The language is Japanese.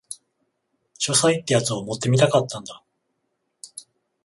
書斎ってやつを持ってみたかったんだ